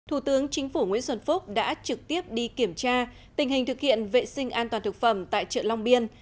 thủ tướng chính phủ nguyễn xuân phúc đã trực tiếp đi kiểm tra tình hình thực hiện vệ sinh an toàn thực phẩm tại chợ long biên